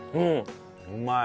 うまい。